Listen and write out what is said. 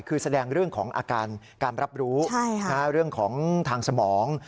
คือแสดงเรื่องของอาการการรับรู้เรื่องของทางสมอง